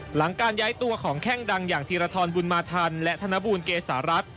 หลังการย้ายตัวของแข้งดังอย่างธีรทรบุญมาทันและธนบูลเกษารัฐ